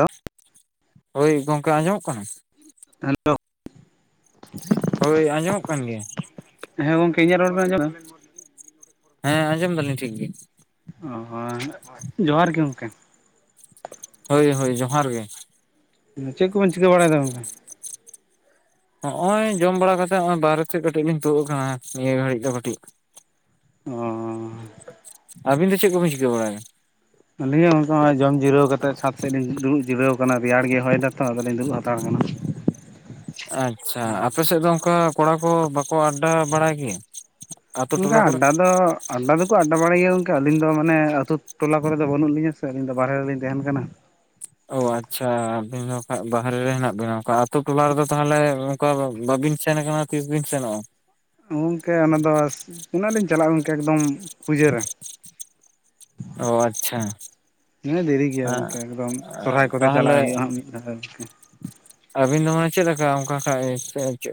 Hello ᱦᱳᱭ ᱜᱚᱝᱠᱮ ᱟᱸᱡᱚᱢᱚᱜ ᱠᱟᱱᱟ? [unintelligible] ᱦᱳ ᱟᱸᱡᱚᱢᱚᱜ ᱠᱟᱱ ᱜᱮᱭᱟ ᱾ ᱦᱮᱸ ᱜᱚᱝᱠᱮ ᱤᱧᱟᱹᱜ ᱨᱚᱲ ᱵᱮᱱ [inaudible] ᱦᱮᱸ, ᱟᱸᱡᱚᱢ ᱫᱟᱞᱤᱧ ᱴᱷᱤᱠ ᱜᱤ ᱾ ᱚᱸᱻ ᱦᱚᱸᱭ ᱡᱚᱦᱟᱨ ᱜᱮ ᱚᱝᱠᱮ ᱾ ᱦᱳᱭ ᱦᱳᱭ ᱡᱚᱦᱟᱨ ᱜᱮ ᱾ ᱩᱸ ᱪᱮᱜ ᱠᱚᱵᱮᱱ ᱪᱤᱠᱟᱹ ᱵᱟᱲᱟᱭ ᱫᱟ ᱜᱚᱝᱠᱮ? ᱦᱚᱜ ᱚᱭ ᱡᱚᱢ ᱵᱟᱲᱟ ᱠᱟᱛᱮᱜ ᱱᱚᱜᱚᱭ ᱵᱟᱨᱦᱮ ᱥᱮᱫ ᱠᱟᱹᱴᱤᱡ ᱞᱤᱧ ᱛᱩᱜ ᱟᱠᱟᱱᱟ ᱱᱤᱭᱟᱹ ᱜᱷᱟᱹᱲᱤᱡ ᱫᱚ ᱠᱟᱹᱴᱤᱡ ᱚᱸᱻᱻ ᱟᱵᱤᱱ ᱫᱚ ᱪᱮᱫ ᱠᱚ ᱵᱤᱱ ᱪᱤᱠᱟᱹ ᱵᱟᱲᱟᱭ ᱫᱟ ᱟᱹᱞᱤᱧ ᱦᱚᱸ ᱚᱭ ᱡᱚᱢ ᱡᱤᱨᱟᱹᱣ ᱠᱟᱛᱮᱜ ᱪᱷᱟᱸᱛ ᱥᱮᱫ ᱞᱤᱧ ᱫᱩᱲᱩᱵ ᱡᱤᱨᱟᱹᱣ ᱠᱟᱱᱟ ᱨᱤᱭᱟᱲ ᱜᱮ ᱦᱚᱭ ᱫᱟᱛᱚ ᱟᱫᱚ ᱞᱤᱧ ᱫᱩᱲᱩᱵ ᱦᱟᱛᱟᱲ ᱠᱟᱱᱟ᱾ ᱟᱪᱪᱷᱟ ᱟᱯᱮ ᱥᱮᱫ ᱫᱚ ᱚᱱᱠᱟ ᱠᱚᱲᱟ ᱠᱚ ᱵᱟᱠᱚ ᱟᱰᱰᱟ ᱵᱟᱲᱟᱭ ᱜᱮᱭᱟ? ᱟᱛᱳ ᱚᱱᱠᱟ ᱴᱚᱞᱟ ᱠᱚᱨᱮ ᱟᱰᱰᱟ ᱫᱚᱼᱼ ᱟᱰᱟ ᱫᱚᱠᱚ ᱟᱰᱰᱟ ᱵᱟᱲᱟᱭ ᱜᱮᱭᱟ ᱜᱚᱝᱠᱮ ᱟᱹᱞᱤᱧ ᱫᱚ ᱢᱟᱱᱮ ᱟᱛᱩ ᱴᱚᱞᱟ ᱠᱚᱨᱮ ᱫᱚ ᱵᱟᱹᱱᱩᱜ ᱞᱤᱧᱟᱹ ᱥᱮ ᱟᱹᱞᱤᱧ ᱫᱚ ᱵᱟᱨᱦᱮ ᱨᱮᱞᱤᱧ ᱛᱮᱦᱮᱱ ᱠᱟᱱᱟ᱾ ᱚ ᱟᱪᱪᱷᱟ ᱟᱵᱤᱱ ᱫᱚ ᱵᱟᱦᱨᱮ ᱨᱮ ᱦᱮᱱᱟᱜ ᱵᱤᱱᱟ ᱚᱱᱠᱟ ᱟᱛᱩ ᱴᱚᱞᱟ ᱨᱮᱫᱚ ᱛᱟᱦᱚᱞᱮᱼᱼ ᱚᱠᱟ ᱵᱟ ᱵᱟᱵᱤᱱ ᱥᱮᱱ ᱱᱟᱠᱟᱱᱟ ᱛᱤᱥ ᱵᱤᱱ ᱥᱮᱱᱚᱜ-ᱟ? ᱜᱚᱝᱠᱮ ᱚᱱᱟ ᱫᱚ ᱚᱱᱟᱜ ᱞᱤᱧ ᱪᱟᱞᱟᱜ-ᱟ ᱜᱚᱝᱠᱮ ᱮᱠᱫᱚᱢ ᱯᱩᱡᱟ‌ᱹ ᱨᱮ᱾ ᱚ ᱟᱪᱪᱷᱟ ᱮᱸ ᱦᱮᱸ ᱫᱮᱨᱤ ᱜᱮᱭᱟ ᱜᱚᱝᱠᱮ ᱮᱠᱫᱚᱢ ᱥᱚᱨᱦᱟᱭ ᱠᱚᱛᱮ ᱪᱟᱞᱟᱜ ᱛᱟᱦᱚᱞᱮ ᱦᱩᱭᱩᱜ-ᱟ ᱦᱟᱸᱜ᱾ ᱟᱨ ᱠᱤ᱾ ᱟᱵᱤᱱ ᱫᱚ ᱢᱟᱱᱮ ᱪᱮᱫ ᱞᱮᱠᱟ ᱚᱱᱠᱟ ᱠᱷᱟᱡ ᱪᱮᱜ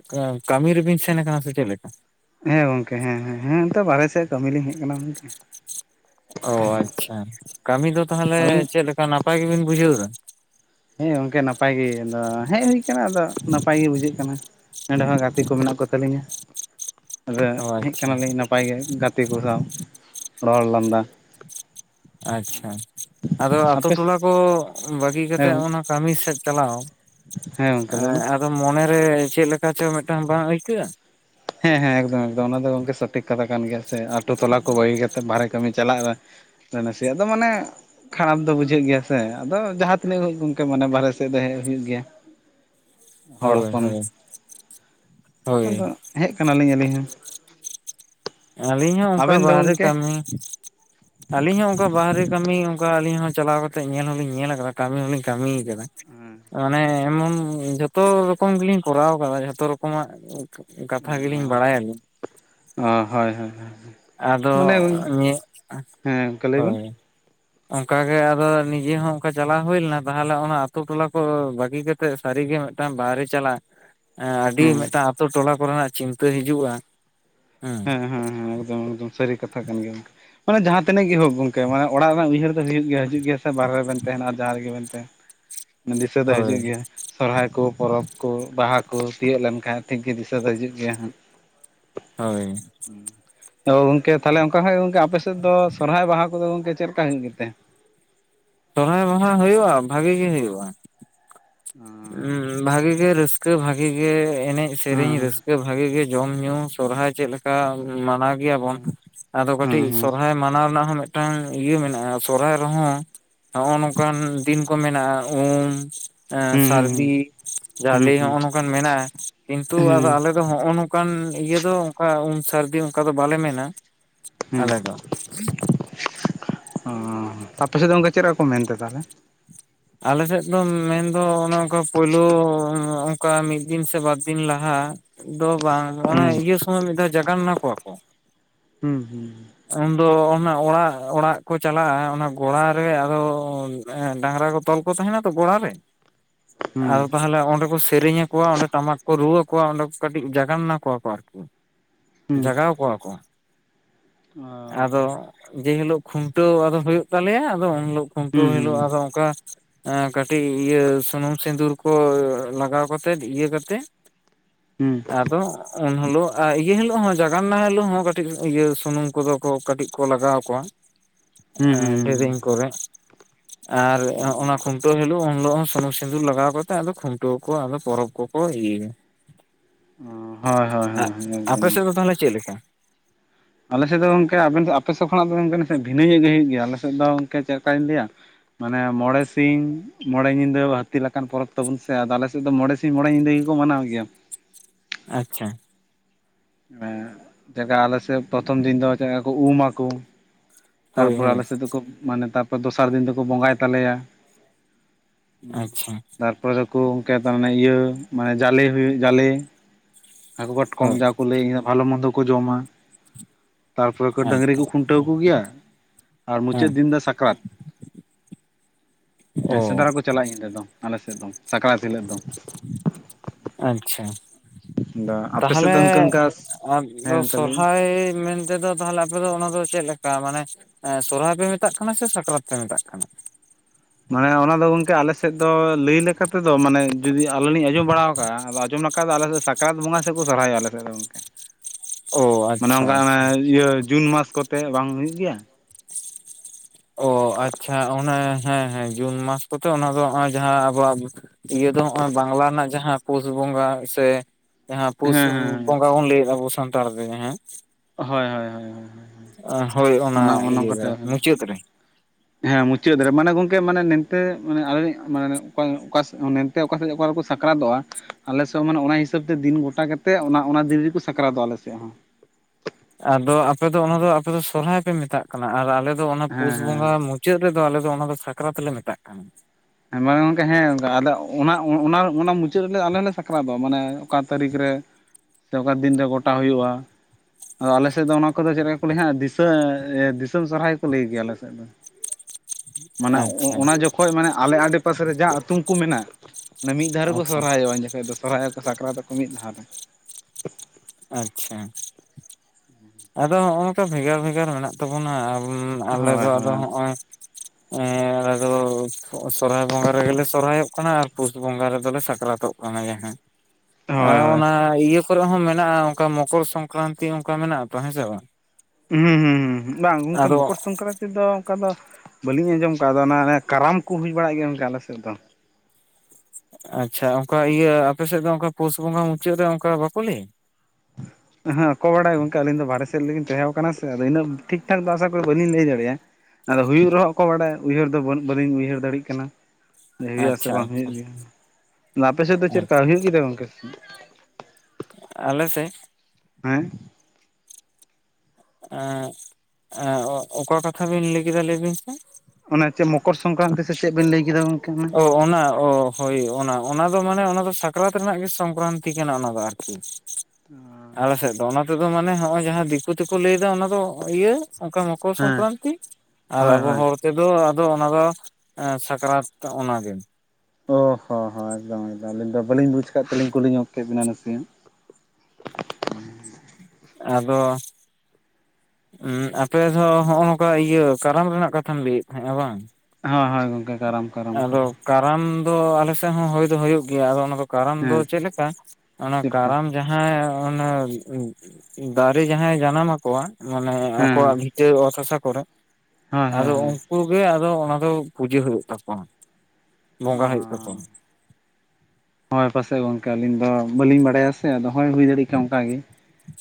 ᱠᱟᱢᱤ ᱨᱤᱵᱤᱱ ᱥᱮᱱ ᱠᱟᱱᱟ ᱥᱮ ᱪᱮᱫ ᱞᱮᱠᱟ? ᱦᱮᱸ ᱜᱚᱝᱠᱮ ᱦᱮᱸ ᱦᱮᱸ ᱦᱮᱸ ᱚᱱᱛᱮ ᱵᱟᱨᱮᱥᱮᱜ ᱠᱟᱹᱢᱤ ᱞᱤᱧ ᱦᱮᱡ ᱠᱟᱱᱟ ᱜᱚᱝᱠᱮ ᱚ ᱟᱪᱪᱷᱟ ᱠᱟᱹᱢᱤ ᱫᱚ ᱛᱟᱦᱚᱸᱞᱮ ᱟᱵᱮᱱ ᱪᱮᱫ ᱞᱮᱠᱟ ᱱᱟᱯᱟᱭ ᱜᱮ ᱵᱤᱱ ᱵᱩᱡᱷᱟᱹᱣ ᱫᱟ ᱦᱮᱸ ᱜᱚᱝᱠᱮ ᱱᱟᱯᱟᱭ ᱜᱮ ᱟᱫᱚ ᱦᱮᱡ ᱦᱩᱭ ᱠᱟᱱᱟ ᱟᱫᱚ ᱱᱟᱯᱟᱭ ᱜᱮ ᱵᱩᱡᱷᱟᱹᱜ ᱠᱟᱱᱟ ᱱᱮᱸᱰᱮ ᱦᱚᱸ ᱜᱟᱛᱮ ᱠᱚ ᱢᱮᱱᱟᱜ ᱠᱚᱛᱟᱞᱤᱧᱟ ᱟᱫᱚ ᱚ ᱦᱮᱡ ᱟᱪᱪᱷᱟ ᱠᱟᱱᱟᱞᱤᱧ ᱱᱟᱯᱟᱭ ᱜᱮ ᱜᱟᱛᱮ ᱠᱚ ᱥᱟᱶ ᱨᱚᱲ ᱞᱟᱸᱫᱟ ᱟᱪᱪᱷᱟ ᱟᱫᱚ ᱟᱛᱳ ᱟᱯᱮ ᱴᱚᱞᱟ ᱠᱚ ᱵᱟᱹᱜᱤ ᱠᱟᱛᱮᱜ ᱦᱮᱸ ᱚᱱᱟ ᱠᱟᱹᱢᱤ ᱥᱮᱫ ᱪᱟᱞᱟᱣ ᱦᱮᱸ ᱜᱚᱝᱠᱮ ᱞᱟᱹᱭ ᱵᱮᱱ ᱟᱫᱚ ᱢᱚᱱᱮᱨᱮ ᱪᱮᱫ ᱞᱮᱠᱟ ᱪᱚ ᱢᱤᱫᱴᱟᱝ ᱵᱟᱝ ᱟᱹᱭᱠᱟᱹᱜ ᱟ ᱦᱮᱸ ᱦᱮᱸ ᱮᱠᱫᱚᱢ ᱮᱠᱫᱚᱢ ᱚᱱᱟ ᱫᱚ ᱜᱚᱝᱠᱮ ᱥᱚᱴᱷᱤᱠ ᱠᱟᱛᱷᱟ ᱠᱟᱱ ᱜᱮᱭᱟ ᱥᱮ ᱟᱹᱛᱩ ᱴᱚᱞᱟ ᱠᱚ ᱵᱟᱹᱜᱤ ᱠᱟᱛᱮ ᱵᱟᱨᱦᱮ ᱠᱟᱹᱢᱤ ᱪᱟᱞᱟᱜ ᱱᱟᱥᱮᱭᱟᱜ ᱫᱚ ᱢᱟᱱᱮ ᱠᱷᱟᱨᱟᱯ ᱫᱚ ᱵᱩᱡᱷᱟᱹᱜ ᱜᱮᱭᱟ ᱥᱮ ᱟᱫᱚ ᱡᱟᱦᱟᱸ ᱛᱤᱱᱟᱹᱜ ᱜᱚᱝᱠᱮ ᱢᱟᱱᱮ ᱵᱟᱨᱦᱮ ᱥᱮᱜ ᱫᱚ ᱦᱮᱡ ᱦᱩᱭᱩᱜ ᱜᱮᱭᱟ ᱦᱚᱲ ᱦᱳᱭ ᱦᱚᱯᱚᱱ ᱦᱳᱭ ᱦᱳᱭ ᱟᱫᱚ ᱦᱮᱡ ᱠᱟᱱᱟ ᱞᱤᱧ ᱟᱹᱞᱤᱧ ᱦᱚᱸ ᱟᱹᱞᱤᱧ ᱦᱚᱸ ᱚᱱᱠᱟ ᱟᱵᱮᱱ ᱫᱚ ᱵᱟᱨᱦᱮ ᱜᱚᱝᱠᱮ ᱠᱟᱹᱢᱤ ᱟᱹᱞᱤᱧ ᱦᱚᱸ ᱚᱱᱠᱟ ᱵᱟᱦᱨᱮ ᱠᱟᱹᱢᱤ ᱚᱝᱠᱟ ᱟᱹᱞᱤᱧ ᱦᱚᱸ ᱪᱟᱞᱟᱣ ᱠᱟᱛᱮ ᱧᱮᱞ ᱦᱚᱞᱤᱧ ᱧᱮᱞ ᱟᱠᱟᱫᱟ ᱠᱟᱹᱢᱤ ᱦᱚᱞᱤᱧ ᱠᱟᱹᱢᱤ ᱠᱟᱫᱟ ᱢᱟᱱᱮ ᱮᱢᱚᱱ ᱡᱷᱚᱛᱚ ᱨᱚᱠᱚᱢ ᱜᱮᱞᱤᱧ ᱠᱚᱨᱟᱣ ᱠᱟᱫᱟ ᱡᱷᱚᱛᱚ ᱨᱚᱠᱚᱢᱟᱜ ᱠᱟᱛᱷᱟ ᱜᱮᱞᱤᱧ ᱵᱟᱲᱟᱭᱟᱞᱤᱧ ᱚᱸ ᱦᱳᱭ ᱦᱳᱭ ᱟᱫᱚ ᱢᱟᱱᱮ ᱧᱮᱜ ᱦᱮᱸ ᱚᱱᱠᱟ ᱞᱟᱹᱭ ᱵᱮᱱ ᱦᱳᱭ ᱚᱱᱠᱟᱜᱮ ᱟᱫᱚ ᱱᱤᱡᱮ ᱦᱚᱸ ᱚᱱᱠᱟ ᱪᱟᱞᱟᱣ ᱦᱩᱭ ᱞᱮᱱᱟ ᱛᱟᱦᱚᱞᱮ ᱚᱱᱟ ᱟᱹᱛᱩ ᱴᱚᱞᱟ ᱠᱚ ᱵᱟᱹᱜᱤ ᱠᱟᱛᱮ ᱥᱟᱹᱨᱤᱜᱮ ᱢᱤᱜᱴᱟᱝ ᱵᱟᱦᱨᱮ ᱪᱟᱞᱟᱜ ᱦᱮᱸ ᱟᱹᱰᱤ ᱢᱤᱫᱴᱟᱝ ᱟᱛᱳ ᱴᱚᱞᱟ ᱠᱚᱨᱮᱱᱟᱜ ᱪᱤᱱᱛᱟᱹ ᱦᱤᱡᱩᱜ ᱟ ᱦᱩᱸ ᱦᱮᱸ ᱦᱮᱸ ᱮᱠᱫᱚᱢ ᱮᱠᱫᱚᱢ ᱥᱟᱹᱨᱤ ᱠᱟᱛᱷᱟ ᱠᱟᱱ ᱜᱮᱭᱟ ᱚᱱᱮ ᱡᱟᱦᱟᱸ ᱛᱤᱱᱟᱹᱜ ᱜᱮ ᱦᱳᱠ ᱜᱚᱝᱠᱮ ᱢᱟᱱᱮ ᱚᱲᱟᱜ ᱫᱚ ᱩᱭᱦᱟᱹᱨ ᱫᱚ ᱦᱩᱭᱩᱜ ᱜᱮᱭᱟ ᱦᱤᱡᱩᱜ ᱜᱮᱭᱟ ᱥᱮ ᱵᱟᱨᱦᱮ ᱨᱮᱵᱮᱱ ᱛᱟᱦᱮᱱᱟ ᱟᱨ ᱡᱟᱦᱟᱸ ᱨᱮᱜᱮ ᱵᱮᱱ ᱛᱟᱦᱮᱱ ᱫᱤᱥᱟᱹ ᱫᱚ ᱦᱳᱭ ᱦᱤᱡᱩᱜ ᱜᱮᱭᱟ ᱥᱚᱨᱦᱟᱭ ᱠᱚ ᱯᱚᱨᱚᱵ ᱠᱚ ᱵᱟᱦᱟ ᱠᱚ ᱛᱤᱭᱳᱜ ᱞᱮᱱ ᱠᱷᱟᱡ ᱴᱷᱤᱠ ᱜᱮ ᱫᱤᱥᱟᱹ ᱫᱚ ᱦᱤᱡᱩᱜ ᱜᱮᱭᱟ ᱦᱟᱜ ᱦᱳᱭ ᱚ ᱜᱚᱝᱠᱮ ᱛᱟᱦᱞᱮ ᱚᱱᱠᱟ ᱠᱷᱟᱡ ᱜᱚᱝᱠᱮ ᱟᱯᱮᱥᱮᱫ ᱫᱚ ᱥᱚᱨᱦᱟᱭ ᱵᱟᱦᱟ ᱠᱚᱫᱚ ᱜᱚᱝᱠᱮ ᱪᱮᱫ ᱞᱮᱠᱟ ᱦᱩᱭᱩᱜ ᱜᱮᱛᱮ ᱥᱚᱨᱦᱟᱭ ᱢᱟᱦᱟ ᱦᱩᱭᱩᱜ ᱟ ᱵᱷᱟᱜᱤ ᱜᱮ ᱦᱩᱭᱩᱜ ᱟ ᱦᱮᱸ ᱵᱷᱟᱜᱤ ᱜᱮ ᱨᱟᱹᱥᱠᱟᱹ ᱵᱷᱟᱜᱤ ᱜᱮ ᱮᱱᱮᱡ ᱥᱮᱨᱮᱧ ᱦᱮᱸ ᱨᱟᱹᱥᱠᱟᱹ ᱵᱷᱟᱜᱤ ᱜᱮ ᱡᱚᱢ ᱧᱩ ᱥᱚᱨᱦᱟᱭ ᱪᱮᱫ ᱞᱮᱠᱟ ᱢᱟᱱᱟᱣ ᱜᱮᱭᱟᱵᱚᱱ ᱦᱮᱸ ᱦᱮᱸ ᱟᱫᱚ ᱦᱩᱸ ᱠᱟᱹᱴᱤᱡ ᱥᱚᱨᱦᱟᱭ ᱢᱟᱱᱟᱣ ᱨᱮᱱᱟᱜ ᱦᱚᱸ ᱢᱤᱫᱴᱟᱝ ᱤᱭᱟᱹ ᱢᱮᱱᱟᱜ ᱟ ᱥᱚᱨᱦᱟᱭ ᱨᱮᱦᱚᱸ ᱦᱚᱜ ᱚ ᱱᱚᱝᱠᱟᱱ ᱫᱤᱱ ᱠᱚ ᱢᱮᱱᱟᱜ ᱟ ᱩᱢ ᱦᱩᱸ ᱥᱟᱹᱨᱫᱤ ᱦᱩᱸ ᱡᱟᱞᱮ ᱦᱚᱜ ᱦᱩᱸ ᱚ ᱱᱚᱝᱠᱟᱱ ᱢᱮᱱᱟᱜ ᱟ ᱠᱤᱱᱛᱩ ᱟᱫᱚ ᱟᱞᱮ ᱫᱚ ᱦᱚᱜ ᱚ ᱱᱚᱝᱠᱟᱱ ᱤᱭᱟᱹ ᱫᱚ ᱚᱱᱠᱟ ᱩᱢ ᱥᱟᱹᱨᱫᱤ ᱚᱱᱠᱟ ᱫᱚ ᱵᱟᱞᱮ ᱢᱮᱱᱟ [unintelligible] ᱦᱩᱸ ᱟᱞᱮ ᱫᱚ ᱚᱸ ᱟᱯᱮᱥᱮᱜ ᱫᱚ ᱜᱚᱝᱠᱮ ᱪᱮᱫ ᱟᱫᱚ ᱠᱚ ᱢᱮᱱᱛᱮ ᱛᱟᱦᱚᱞᱮ ᱟᱞᱮᱥᱮᱜ ᱫᱚ ᱢᱮᱱᱫᱚ ᱚᱱᱮ ᱚᱱᱠᱟ ᱯᱳᱭᱞᱳ ᱚᱱᱠᱟ ᱢᱤᱫ ᱫᱤᱱ ᱥᱮ ᱵᱟᱨ ᱫᱤᱱ ᱞᱟᱦᱟ ᱫᱚ ᱵᱟᱝ ᱚᱱᱮ ᱦᱩᱸ ᱤᱭᱟᱹ ᱥᱚᱢᱚᱭ ᱢᱤᱫ ᱫᱷᱟᱣ ᱡᱟᱜᱟᱱᱱᱟ ᱠᱚᱣᱟ ᱠᱚ ᱦᱩᱸ ᱩᱱᱫᱚ ᱚᱱᱟ ᱚᱲᱟᱜ ᱚᱲᱟᱜ ᱠᱚ ᱪᱟᱞᱟᱜ ᱟ ᱚᱱᱟ ᱜᱚᱲᱟ ᱨᱮ ᱟᱫᱚ ᱰᱟᱝᱨᱟ ᱠᱚ ᱛᱚᱞ ᱠᱚ ᱛᱟᱦᱮᱱᱟ ᱛᱚ ᱜᱚᱲᱟ ᱨᱮ [unintelligible] ᱟᱫᱚ ᱛᱟᱦᱚᱞᱮ ᱚᱸᱰᱮ ᱠᱚ ᱥᱮᱨᱮᱧᱟ ᱠᱚᱣᱟ ᱚᱸᱰᱮ ᱴᱟᱢᱟᱠ ᱠᱚ ᱨᱩ ᱟ ᱠᱚᱣᱟ ᱚᱸᱰᱮ ᱠᱟᱹᱴᱤᱡ ᱡᱟᱜᱟᱱᱱᱟ ᱠᱚᱣᱟ ᱠᱚ ᱟᱨᱠᱤ ᱦᱩᱸ ᱡᱟᱜᱟᱣ ᱠᱚᱣᱟ ᱠᱚ ᱚ ᱟᱫᱚ ᱡᱮᱦᱤᱞᱳᱜ ᱠᱷᱩᱱᱴᱟᱹᱣ ᱟᱫᱚ ᱦᱩᱭᱩᱜ ᱛᱟᱞᱮᱭᱟ ᱟᱫᱚ ᱩᱱᱦᱤᱞᱳᱜ ᱦᱩᱸ ᱠᱷᱩᱱᱴᱟᱹᱣ ᱦᱩᱸ ᱦᱤᱞᱳᱜ ᱟᱫᱚ ᱚᱱᱠᱟ ᱠᱟᱹᱴᱤᱡ ᱤᱭᱟᱹ ᱥᱩᱱᱩᱢ ᱥᱤᱸᱫᱩᱨ ᱠᱚ ᱞᱟᱜᱟᱣ ᱠᱟᱛᱮᱫ ᱤᱭᱟᱹ ᱠᱟᱛᱮᱜ ᱦᱩᱸ ᱟᱫᱚ ᱩᱱ ᱦᱳᱞᱳᱜ ᱟ ᱤᱭᱟᱹ ᱦᱤᱞᱳᱜ ᱦᱚᱸ ᱡᱟᱜᱟᱱᱱᱟ ᱦᱤᱞᱳᱜ ᱦᱚᱸ ᱠᱟᱹᱴᱤᱡ ᱤᱭᱟᱹ ᱥᱩᱱᱩᱢ ᱠᱚ ᱫᱚ ᱠᱚ ᱠᱟᱹᱴᱤᱡ ᱠᱚ ᱞᱟᱜᱟᱣ ᱟ ᱠᱚᱣᱟ ᱦᱩᱸ ᱫᱮᱨᱮᱧ ᱦᱩᱸ ᱠᱚᱨᱮ ᱟᱨ ᱚᱱᱟ ᱠᱷᱚᱱ ᱴᱟᱹᱣ ᱦᱤᱞᱳᱜ ᱩᱱ ᱦᱤᱞᱳ ᱦᱚᱸ ᱥᱩᱱᱩᱢ ᱥᱤᱸᱫᱩᱨ ᱞᱟᱜᱟᱣ ᱠᱟᱛᱮᱜ ᱟᱫᱚ ᱠᱷᱩᱱᱴᱟᱹᱣ ᱠᱚ ᱟᱫᱚ ᱯᱚᱨᱚᱵᱽ ᱠᱚ ᱠᱚ ᱤᱭᱟᱹᱭᱟ ᱚ ᱦᱳᱭ ᱦᱳᱭ ᱦᱳᱭ ᱮᱠᱫᱚᱢ ᱟᱯᱮ ᱥᱮᱫ ᱫᱚ ᱛᱟᱦᱞᱮ ᱪᱮᱫᱞᱮᱠᱟ ᱟᱞᱮ ᱥᱮᱫ ᱫᱚ ᱜᱚᱝᱠᱮ ᱟᱵᱮᱱ ᱟᱯᱮ ᱥᱮᱫ ᱠᱷᱚᱱᱟᱜ ᱫᱚ ᱵᱷᱤᱱᱟᱹ ᱧᱚᱜ ᱜᱮ ᱦᱩᱭᱩᱜ ᱜᱮᱭᱟ ᱟᱞᱮᱫ ᱫᱚ ᱝᱠᱮ ᱪᱮᱫ ᱞᱮᱠᱟᱧ ᱞᱟᱹᱭᱟ ᱢᱟᱱᱮ ᱢᱚᱬᱮ ᱥᱤᱧᱝ ᱢᱚᱬᱮ ᱧᱤᱫᱟᱹ ᱦᱟᱹᱛᱤ ᱞᱮᱠᱟᱱ ᱯᱚᱨᱚᱵᱽ ᱛᱟᱵᱚᱱ ᱥᱮ ᱟᱫᱚ ᱟᱞᱮ ᱥᱮᱫ ᱫᱚ ᱢᱚᱬᱮ ᱥᱤᱧ ᱢᱚᱬᱮ ᱧᱤᱫᱟᱹ ᱜᱮᱠᱚ ᱢᱟᱱᱟᱣ ᱜᱮᱭᱟ ᱟᱪᱪᱷᱟ ᱪᱮᱫᱮᱠᱟ ᱟᱞᱮᱥᱮᱫ ᱯᱨᱚᱛᱷᱚᱢ ᱫᱤᱱ ᱫᱚ ᱪᱮᱫᱠᱟ ᱠᱚ ᱩᱢ ᱟᱠᱚ ᱦᱳᱭ ᱛᱟᱨᱯᱚᱨᱮ ᱦᱳᱭ ᱟᱞᱮ ᱥᱮᱫ ᱫᱚᱠᱚ ᱢᱟᱱᱮ ᱛᱟᱨᱯᱚᱨ ᱫᱚᱥᱟᱨ ᱫᱤᱱ ᱫᱚᱠᱚ ᱵᱚᱸᱜᱟᱭ ᱛᱟᱞᱮᱭᱟ ᱩᱸ ᱟᱪᱪᱷᱟ ᱛᱟᱨ ᱯᱚᱨ ᱫᱚᱠᱚ ᱚᱢᱠᱮ ᱛᱟᱢᱱᱮ ᱤᱭᱟᱹ ᱢᱟᱱᱮ ᱡᱟᱞᱮ ᱦᱩᱭᱩᱜ ᱡᱟᱞᱮ ᱦᱟᱹᱠᱩ ᱠᱟᱴᱠᱚᱢ ᱦᱳᱭ ᱡᱟ ᱼᱼ ᱠᱚ ᱞᱟᱹᱭ ᱤᱧ ᱵᱷᱟᱞᱚ ᱢᱚᱱᱫᱚ ᱠᱚ ᱡᱚᱢᱟ ᱛᱟᱨᱯᱚᱨᱮ ᱠᱚ ᱰᱟᱹᱝᱨᱤ ᱟᱪᱪᱷᱟ ᱠᱚ ᱠᱷᱩᱱᱴᱟᱹᱣ ᱠᱚᱜᱮᱭᱟ ᱟᱨ ᱢᱩᱪᱟᱹᱫ ᱦᱮᱸ ᱫᱤᱱ ᱫᱚ ᱥᱟᱠᱨᱟᱛ ᱚ ᱪᱟᱞᱟᱜ ᱧᱤᱫᱟ. ᱫᱚ ᱟᱞᱮ ᱥᱮᱫ ᱫᱚ ᱥᱟᱠᱨᱟᱛ ᱦᱤᱞᱳᱜ ᱫᱚ ᱟᱪᱪᱷᱟ ᱟᱫᱚ ᱟᱯᱮ ᱥᱮᱫ ᱛᱟᱦᱞᱮ ᱫᱚ ᱤᱱᱠᱟᱹ ᱚᱱᱠᱟ ᱟᱫᱚ ᱦᱮᱸ ᱚᱱᱠᱟ ᱞᱟᱹᱭ ᱥᱚᱨᱦᱟᱭ ᱢᱮᱱᱛᱮᱫᱚ ᱛᱟᱦᱞᱮ ᱟᱯᱮ ᱫᱚ ᱚᱱᱟ ᱫᱚ ᱪᱮᱫ ᱞᱮᱠᱟ ᱢᱟᱱᱮ ᱥᱚᱨᱦᱟᱭ ᱯᱮ ᱢᱮᱛᱟᱜ ᱠᱟᱱᱟ ᱥᱮ ᱥᱟᱠᱨᱟᱛ ᱯᱮ ᱢᱮᱛᱟᱜ ᱠᱟᱱᱟ ᱢᱟᱱᱮ ᱚᱱᱟ ᱫᱚ ᱜᱚᱝᱠᱮ ᱟᱞᱮᱥᱮᱫ ᱫᱚ ᱞᱟᱹᱭ ᱞᱮᱠᱟ ᱛᱮᱫᱚ ᱢᱟᱱᱮ ᱡᱩᱫᱤ ᱟᱞᱮ ᱞᱤᱧ ᱟᱸᱡᱚᱢ ᱵᱟᱲᱟ ᱟᱠᱟᱫᱼᱟ ᱟᱫᱚ ᱟᱸᱚᱢ ᱟᱫᱚ ᱟᱞᱮ ᱫᱚ ᱥᱟᱠᱨᱟᱛ ᱵᱚᱸᱜᱟ ᱥᱮᱫ ᱠᱚ ᱥᱚᱨᱦᱟᱭ ᱟᱞᱮ ᱥᱮᱫ ᱫᱚ ᱜᱠᱮ ᱚ ᱢᱟᱱᱮ ᱟᱪᱪᱷᱟ ᱚᱱᱠᱟ ᱟᱪᱪᱷᱟ ᱤᱭᱟᱹ ᱡᱩᱱ ᱢᱟᱥ ᱠᱚᱛᱮ ᱵᱟᱝ ᱦᱩᱭᱩᱜ ᱜᱮᱭᱟ ᱚ ᱟᱪᱪᱷᱟ ᱚᱱᱮ ᱦᱮᱸ ᱦᱮᱸ ᱡᱩᱱ ᱢᱟᱥ ᱠᱚᱛᱮ ᱚᱱᱟ ᱫᱚ ᱱᱚᱜᱚᱭ ᱡᱟᱦᱟᱸ ᱟᱵᱚᱣᱟᱜ ᱤᱭᱟᱹ ᱫᱚ ᱱᱚᱜᱼᱚᱭ ᱵᱟᱝᱞᱟ ᱨᱮᱱᱟᱜ ᱡᱟᱦᱟᱸ ᱯᱩᱥ ᱵᱚᱸᱜᱟ ᱥᱮ ᱡᱟᱦᱟᱸ ᱯᱩᱥ ᱦᱮᱸ ᱦᱮᱸ ᱵᱚᱸᱜᱟ ᱵᱚᱱ ᱞᱟᱹᱭᱮᱫᱟ ᱟᱵᱚ ᱥᱟᱱᱛᱟᱲ ᱨᱮ ᱦᱮᱸ ᱦᱳᱭ ᱦᱳᱭ ᱦᱳᱭ ᱦᱳᱭ ᱦᱳᱭ ᱚᱱᱟ ᱤᱭᱟᱹ ᱜᱮ ᱢᱩᱪᱟᱹᱫ ᱨᱮ ᱦᱮᱸ ᱢᱩᱪᱟᱹᱫ ᱨᱮ ᱢᱟᱱᱮ ᱜᱚᱝᱠᱮ ᱢᱟᱱᱮ ᱱᱮᱛᱮ ᱢᱟᱱᱮ ᱟᱞᱮᱤᱡ ᱢᱟᱱᱮ ᱚᱠᱟ ᱚᱠᱟ ᱛᱮ ᱚᱠᱟ ᱥᱮᱫ ᱚᱠᱟ ᱨᱮᱠᱚ ᱥᱟᱠᱨᱟᱛᱚᱜᱼᱟ ᱟᱞᱮᱥᱮᱫ ᱦᱚᱸ ᱢᱟᱱᱮ ᱚᱱᱟ ᱦᱤᱥᱟᱹᱵ ᱛᱮ ᱫᱤᱱ ᱜᱚᱴᱟ ᱠᱟᱛᱮᱫ ᱚᱱᱟ ᱫᱤᱱ ᱨᱮᱠᱚ ᱥᱟᱠᱨᱟᱛ ᱫᱚ ᱟᱞᱮᱥᱮᱫ ᱦᱚᱸ ᱟᱫᱚ ᱟᱯᱮ ᱫᱚ ᱚᱱᱟ ᱫᱚ ᱟᱯᱮ ᱫᱚ ᱥᱚᱨᱦᱟᱭ ᱯᱮ ᱢᱮᱛᱟᱜ ᱠᱟᱱᱟ ᱟᱨ ᱟᱞᱮᱫᱚ ᱚᱱᱟ ᱦᱮᱸ ᱯᱩᱥ ᱦᱮᱸ ᱵᱚᱸᱜᱟ ᱢᱩ ᱼᱼ ᱢᱩᱪᱟᱹᱫ ᱨᱮᱫᱚ ᱟᱞᱮ ᱫᱚ ᱚᱱᱟ ᱫᱚ ᱥᱟᱠᱨᱟᱛ ᱞᱮ ᱢᱮᱛᱟᱜ ᱠᱟᱱᱟ ᱮᱸ ᱢᱟᱱᱮ ᱜᱚᱢᱠᱮ ᱦᱮᱸ ᱜᱚᱝᱠᱮ ᱚᱱᱟ ᱚᱱᱟ ᱚᱱᱟ ᱢᱩᱪᱟᱹᱫ ᱨᱮ ᱟᱞᱮ ᱞᱮ ᱥᱟᱠᱨᱟᱛᱼᱟ ᱢᱟᱱᱮ ᱚᱠᱟ ᱛᱟᱹᱨᱤᱠᱷ ᱨᱮ ᱚᱠᱟ ᱫᱤᱱ ᱨᱮ ᱜᱚᱴᱟ ᱦᱩᱭᱩᱜᱼᱟ ᱟᱫᱚ ᱟᱞᱮ ᱥᱮᱫ ᱫᱚ ᱚᱱᱟ ᱠᱚᱫᱚ ᱪᱮᱫ ᱞᱮᱠᱟ ᱠᱚ ᱞᱟᱹᱭᱟ ᱦᱟᱸᱜ ᱫᱤᱥᱟᱹ ᱫᱤᱥᱚᱢ ᱥᱚᱨᱦᱟᱭ ᱠᱚ ᱞᱟᱹᱭ ᱜᱮᱭᱟ ᱟᱞᱮ ᱥᱮᱫ ᱫᱚ ᱢᱟᱱᱮ ᱟᱪᱪᱷᱟ ᱚᱱᱟ ᱡᱚᱠᱷᱚᱡ ᱢᱟᱱᱮ ᱟᱞᱮ ᱟᱰᱮ ᱯᱟᱥᱮ ᱨᱮ ᱡᱟᱦᱟᱸ ᱟᱛᱳᱝ ᱠᱚ ᱢᱮᱱᱟᱜ- ᱟ ᱚᱱᱟ ᱢᱤᱫ ᱫᱷᱟᱣ ᱨᱮᱠᱚ ᱟᱪᱪᱷᱟ ᱥᱚᱨᱦᱟᱭᱚᱜ ᱤᱱ ᱡᱚᱠᱷᱡ ᱫᱚ ᱥᱚᱨᱦᱟᱭᱜᱠᱚ ᱥᱟᱠᱨᱟᱛᱠᱚ ᱢᱤᱫ ᱫᱷᱟᱣ ᱨᱮ ᱟᱪᱪᱷᱟ ᱟᱫᱚ ᱦᱚᱸᱜᱼᱚ ᱱᱚᱝᱠᱟ ᱵᱷᱮᱜᱟᱨ ᱵᱷᱮᱜᱟᱨ ᱢᱮᱱᱟᱜ ᱛᱟᱵᱚᱱᱟ ᱟᱞᱮ ᱫᱚ ᱦᱳᱭ ᱟᱫᱚ ᱦᱳᱭ ᱦᱚᱸᱜᱼᱚᱭ ᱮᱸᱻ ᱟᱫᱚ ᱥᱚᱨᱦᱟᱭ ᱵᱚᱸᱜᱟ ᱨᱮᱜᱮ ᱥᱚᱨᱦᱟᱭᱚᱜ ᱠᱟᱱᱟ ᱟᱨ ᱯᱩᱥ ᱵᱚᱸᱜᱟ ᱨᱮᱫᱚᱞᱮ ᱥᱟᱠᱨᱟᱛᱚᱜ ᱠᱟᱱᱟ ᱡᱟᱦᱟᱸ ᱦᱳᱭ ᱟ ᱦᱳᱭ ᱚᱱᱟ ᱤᱭᱟᱹ ᱠᱚᱨᱮ ᱦᱚᱸ ᱢᱮᱱᱟᱜᱼᱟ ᱚᱱᱠᱟ ᱢᱚᱠᱚᱨ ᱥᱚᱝᱠᱨᱟᱱᱛᱤ ᱚᱱᱠᱟ ᱢᱮᱱᱟᱜᱼᱟ [inaudible] ᱦᱮᱸᱥᱮ ᱵᱟᱝ ᱦᱩᱸ ᱦᱩᱸ ᱦᱩᱸ ᱵᱟᱝ ᱜᱚᱢᱠᱮ ᱟᱫᱚ ᱢᱚᱠᱚᱨ ᱥᱚᱝᱠᱨᱟᱱ [inaudible] ᱟᱞᱮ ᱥᱮᱫ ᱫᱚ ᱚᱱᱠᱟᱫᱚ ᱵᱟᱹᱞᱤᱧ ᱟᱸᱡᱚᱢ ᱟᱠᱟᱫᱟ ᱚᱱᱟ ᱠᱟᱨᱟᱢ ᱠᱚ ᱦᱩᱭ ᱵᱟᱲᱟᱜ ᱜᱮᱭᱟ ᱩᱱᱠᱟ ᱟᱞᱮᱥᱮᱫ ᱫᱚ ᱟᱪᱪᱷᱟ ᱚᱱᱠᱟ ᱤᱭᱟᱹ ᱟᱯᱮᱥᱮᱫ ᱫᱚ ᱚᱱᱠᱟ ᱯᱩᱥ ᱵᱚᱸᱜᱟ ᱢᱩᱪᱟᱹᱫ ᱨᱮ ᱚᱱᱠᱟ ᱵᱟᱠᱚ ᱞᱮᱭᱟ [unintelligible] ᱦᱮᱸ ᱚᱠᱚᱭ ᱵᱟᱰᱟᱭ ᱜᱚᱝᱠᱮ ᱟᱹᱞᱤᱧ ᱫᱚ ᱵᱟᱦᱨᱮ ᱥᱮᱫ ᱨᱮᱜᱞᱤᱧ ᱛᱟᱦᱮᱸ ᱠᱟᱱᱟ ᱥᱮ ᱟᱫᱚ ᱤᱱᱟᱹᱜ ᱴᱷᱤᱠ ᱴᱷᱟᱠ ᱫᱚ ᱟᱥᱟ ᱠᱚ ᱵᱟᱹᱞᱤᱧ ᱞᱟᱹ ᱫᱟᱲᱮᱭᱟᱜᱼᱟ ᱟᱫᱚ ᱦᱩᱭᱩᱜ ᱨᱮᱦᱚᱸ ᱠᱚ ᱵᱟᱲᱟᱭᱟ ᱩᱭᱦᱟᱹᱨ ᱫᱚ ᱵᱟᱹᱱ ᱵᱟᱞᱤᱧ ᱩᱭᱦᱟᱹᱨ ᱫᱟᱲᱮᱭᱟᱜ ᱠᱟᱱᱟ ᱦᱩᱭᱩᱜᱼᱟ ᱥᱮ ᱟᱪᱪᱷᱟ ᱵᱟᱝ ᱟᱪᱪᱷᱟ ᱦᱩᱭᱩᱜ ᱜᱮᱭᱟ ᱟᱯᱮ ᱥᱮᱫ ᱫᱚ ᱪᱮᱫᱮᱠᱟ ᱟᱪᱪᱷᱟ ᱦᱩᱭᱩᱜ ᱜᱮᱛ ᱜᱚᱝᱠᱮ ᱟᱞᱮ ᱥᱮᱫ ᱦᱮ ᱮᱸᱻᱮᱸᱻ ᱚᱠᱟ ᱠᱟᱛᱷᱟ ᱵᱤᱱ ᱞᱟᱹᱭ ᱠᱮᱫᱟ ᱞᱟᱹᱭ ᱵᱤᱱ ᱥᱮ ᱚᱱᱮ ᱪᱮᱫ ᱢᱚᱠᱚᱨ ᱥᱚᱝᱠᱨᱟᱱᱛᱤ ᱥᱮ ᱪᱮᱫ ᱵᱮᱱ ᱞᱟᱹᱭ ᱠᱮᱫᱟ ᱚ ᱚᱱᱟ ᱚ ᱦᱳᱭ ᱚᱱᱟ ᱚᱱᱟ ᱫᱚ ᱢᱟᱱᱮ ᱚᱱᱟ ᱫᱚ ᱥᱟᱠᱨᱟᱛ ᱨᱮᱱᱟᱜ ᱜᱮ ᱥᱚᱝᱠᱨᱟᱱᱛᱤ ᱠᱟᱱᱟ ᱚᱱᱟ ᱫᱚ ᱟᱨᱠᱤ ᱟᱞᱮ ᱥᱮᱫ ᱫᱚ ᱚᱱᱟ ᱛᱮᱫᱚ ᱢᱟᱱᱮ ᱦᱚᱸᱜᱼᱚᱭ ᱡᱟᱦᱟᱸ ᱫᱤᱠᱩ ᱛᱮᱠᱚ ᱞᱟᱹᱭᱫᱟ ᱚᱱᱟ ᱫᱚ ᱤᱭᱟᱹ ᱚᱱᱠᱟ ᱢᱚᱠᱚᱼᱼ ᱢᱚᱠᱚᱨ ᱦᱮᱸ ᱥᱚᱝᱠᱨᱟᱱᱛᱤ ᱟᱨ ᱦᱳᱭ ᱟᱵᱚ ᱦᱳᱭ ᱦᱚᱲ ᱛᱮᱫᱚ ᱟᱫᱚ ᱚᱱᱟ ᱫᱚ ᱥᱟᱠᱨᱟᱛ ᱛᱚ ᱚᱱᱟ ᱠᱮ ᱚ ᱦᱚᱸ ᱦᱚᱸ ᱮᱠᱫᱚᱢ ᱮᱠᱫᱚᱢ ᱟᱹᱞᱤᱧ ᱫᱚ ᱵᱟᱹᱞᱤᱧ ᱵᱩᱡ ᱟᱠᱟᱫ ᱛᱮᱞᱤᱧ ᱠᱩᱞᱤ ᱧᱚᱜ ᱠᱮᱫ ᱵᱤᱱᱟ ᱱᱟᱥᱮᱭᱟᱜ ᱟᱫᱚ ᱦᱚᱸ ᱟᱯᱮ ᱫᱚ ᱱᱚᱜᱼᱚᱭ ᱱᱚᱝᱠᱟ ᱤᱭᱟᱹ ᱠᱟᱨᱟᱢ ᱨᱮᱱᱟᱜ ᱠᱟᱛᱷᱟᱢ ᱞᱟᱹᱭᱮᱫ ᱛᱟᱦᱮᱸᱜᱼᱟ ᱵᱟᱝ ᱦᱳᱭ ᱦᱳᱭ ᱜᱚᱝᱠᱮ ᱠᱟᱨᱟᱢ ᱠᱟᱨᱟᱢ ᱠᱟᱨᱟᱢ ᱟᱫᱚ ᱠᱟᱨᱟᱢ ᱫᱚ ᱟᱞᱮ ᱥᱮᱫ ᱦᱚᱸ ᱦᱩᱭᱳ ᱫᱚ ᱦᱩᱭᱩᱜ ᱜᱮᱭᱟ ᱟᱫᱚ ᱚᱱᱟ ᱫᱚ ᱠᱟᱨᱟᱢ ᱫᱚ ᱦᱮᱸ ᱪᱮᱫ ᱞᱮᱠᱟ ᱚᱱᱟ ᱪᱮᱫ ᱞᱮᱠᱟ ᱠᱟᱨᱟᱢ ᱡᱟᱦᱟᱭ ᱚᱱᱟ ᱫᱟᱨᱮ ᱡᱟᱦᱟᱭ ᱡᱟᱱᱟᱢ ᱟᱠᱚᱣᱟ ᱢᱟᱱᱮ ᱦᱮᱸ ᱟᱠᱚᱣᱟᱜ [inaudible] ᱪᱟᱹ ᱚᱛ ᱦᱟᱥᱟ ᱠᱚᱨᱮ ᱦᱳᱭ ᱦᱳᱭ ᱟᱫᱚ ᱦᱳᱭ ᱩᱱᱠᱩ ᱜᱮ ᱟᱫᱚ ᱚᱱᱟ ᱫᱚ ᱯᱩᱡᱟᱹ ᱦᱩᱭᱩᱜ ᱛᱟᱠᱚᱣᱟ ᱵᱚᱸᱜᱟ ᱦᱩᱭᱩᱜ ᱛᱟᱠᱚᱣᱟ ᱦᱳᱭ ᱯᱟᱥᱮᱡ ᱜᱚᱢᱠᱮ ᱟᱹᱞᱤᱧ ᱫᱚ ᱵᱟᱹᱞᱤᱧ ᱵᱟᱲᱟᱭᱟ ᱥᱮ ᱟᱫᱚ ᱦᱳᱭ ᱦᱩᱭ ᱫᱟᱲᱮᱭᱟᱜᱼᱟ ᱚᱱᱠᱟᱜ ᱜᱮ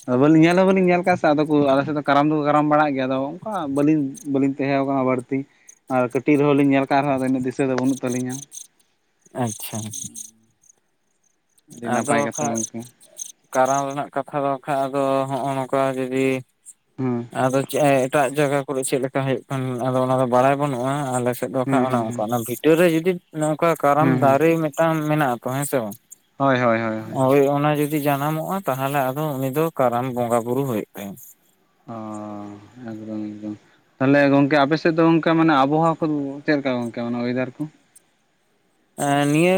ᱟᱫᱚ ᱵᱟᱹᱞᱤᱧ ᱟᱞᱮ ᱵᱟᱹᱞᱤᱧ ᱧᱮᱞ ᱟᱠᱟᱫᱟ ᱥᱮ ᱟᱫᱚ ᱟᱞᱮ ᱥᱮᱫ ᱫᱚ ᱠᱟᱨᱟᱢ ᱫᱚᱠᱚ ᱠᱟᱨᱟᱢ ᱵᱟᱲᱟᱜ ᱜᱮᱭᱟ ᱟᱫᱚ ᱚᱱᱠᱟ ᱵᱟᱹᱞᱤᱧ ᱵᱟᱹᱞᱤᱧ ᱛᱟᱦᱮᱸ ᱠᱟᱱᱟ ᱵᱟᱹᱲᱛᱤ ᱟᱨ ᱠᱟᱹᱴᱤᱡ ᱨᱮᱦᱚᱸ ᱞᱤᱧ ᱧᱮᱞ ᱟᱠᱟᱫ ᱨᱮᱦᱚᱸ ᱟᱫᱚ ᱩᱱᱟᱹᱜ ᱫᱤᱥᱟᱹ ᱫᱚ ᱵᱟᱹᱱᱩᱜ ᱛᱟᱹᱤᱧᱟ ᱟᱪᱪᱷᱟ ᱟᱹᱰᱤ ᱟᱫᱚ ᱱᱟᱯᱟᱭ ᱠᱟᱛᱷᱟ ᱠᱷᱟᱡ ᱜᱚᱝᱠᱮ ᱠᱟᱨᱟᱢ ᱨᱮᱱᱟᱜ ᱠᱟᱛᱷᱟ ᱫᱚ ᱵᱟᱝ ᱠᱷᱟᱡ ᱟᱫᱚ ᱦᱚᱜᱼᱚ ᱱᱚᱝᱠᱟ ᱡᱩᱫᱤ ᱦᱩᱸ ᱟᱫᱚ ᱪᱮᱫ ᱮᱴᱟᱜ ᱡᱟᱭᱜᱟ ᱠᱚᱨᱮ ᱪᱮᱫ ᱞᱮᱠᱟ ᱦᱩᱭᱩᱜ ᱠᱟᱱ ᱟᱫᱚ ᱚᱱᱟᱫᱚ ᱵᱟᱲᱟᱭ ᱵᱟᱹᱱᱩᱜᱼᱟ ᱟᱞᱮᱥᱮᱫ ᱫᱚ ᱠᱷᱟᱡ ᱦᱩᱸ ᱚᱱᱮ ᱦᱩᱸ ᱦᱩᱸ ᱚᱱᱟᱠᱟ ᱵᱷᱤᱴᱟᱹ ᱨᱮ ᱡᱩᱫᱤ ᱱᱚᱝᱠᱟ ᱠᱟᱨᱟᱢ ᱦᱩᱸ ᱦᱩᱸ ᱫᱟᱨᱮ ᱢᱤᱫ ᱴᱟᱱ ᱢᱮᱱᱟᱜ-ᱟ ᱛᱚ ᱦᱮᱸ ᱥᱮ ᱵᱟᱝ ᱦᱳᱭ ᱦᱳᱭ ᱦᱳᱭ ᱚᱱᱟ ᱡᱩᱫᱤ ᱡᱫᱤ ᱡᱟᱱᱟᱢᱚᱜᱼᱟ ᱛᱟᱦᱚᱞᱮ ᱩᱱᱤ ᱫᱚ ᱠᱟᱨᱟᱢ ᱵᱚᱸᱜᱟ ᱵᱳᱩᱨ ᱦᱳᱭᱳᱜ ᱛᱟᱭᱟ ᱚ ᱮᱠᱫᱚᱢ ᱮᱠᱫᱚᱢ ᱛᱟᱦᱚᱞᱮ ᱜᱚᱢᱠᱮ ᱟᱯᱮᱥᱮᱫ ᱫᱚ ᱚᱱᱠᱟ ᱢᱟᱱᱮ ᱟᱵᱚᱦᱟᱣᱟ ᱠᱚ ᱪᱮᱫ ᱞᱮᱠᱟ ᱜᱚᱢᱠᱮ ᱚᱭᱮᱫᱟᱨ ᱠᱚ ᱱᱤᱭᱟᱹ